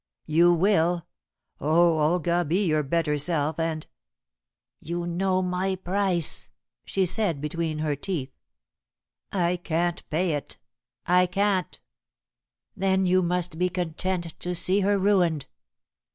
"You will. Oh, Olga, be your better self, and " "You know my price," she said between her teeth. "I can't pay it I can't." "Then you must be content to see her ruined."